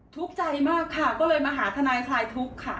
ทุกข์ใจมากค่ะก็เลยมาหาทนายคลายทุกข์ค่ะ